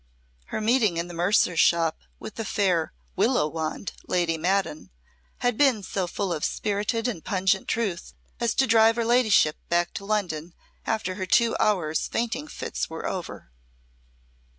Her meeting in the mercer's shop with the fair "Willow Wand," Lady Maddon, had been so full of spirited and pungent truth as to drive her ladyship back to London after her two hours' fainting fits were over.